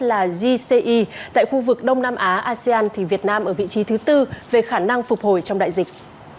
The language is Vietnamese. là gci tại khu vực đông nam á asean thì việt nam ở vị trí thứ tư về khả năng phục hồi trong đại dịch